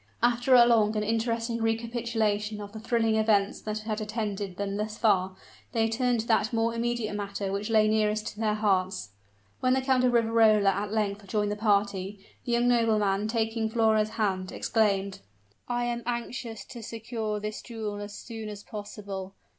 After a long and interesting recapitulation of the thrilling events which had attended them thus far, they turned to that more immediate matter which lay nearest their hearts. When the Count of Riverola at length joined the party, the young nobleman, taking Flora's hand, exclaimed: "I am anxious to secure this jewel as soon as possible.